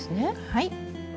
はい。